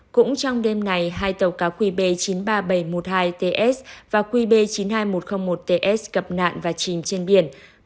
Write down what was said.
cũng trong đêm này hai tàu cá qb chín trăm ba mươi bảy một mươi hai ts và qb chín mươi hai một trăm linh một ts gặp nạn và chìm trên biển